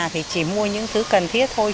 thì chỉ mua những thứ cần thiết thôi